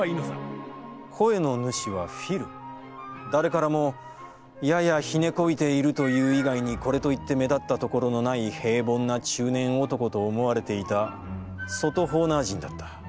声の主はフィル誰からも、ややひねこびているという以外にこれといって目立ったところのない平凡な中年男と思われていた外ホーナー人だった。